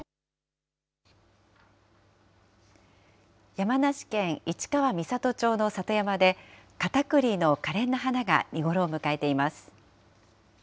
山梨県市川三郷町の里山で、カタクリのかれんな花が見頃を迎えています。